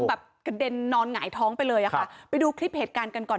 แบบกระเด็นนอนหงายท้องไปเลยอะค่ะไปดูคลิปเหตุการณ์กันก่อน